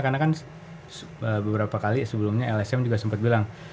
karena kan beberapa kali sebelumnya lsm juga sempat bilang